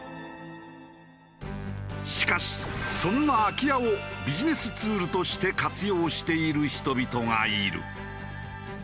しかしそんな空き家をビジネスツールとして活用している人々がいる。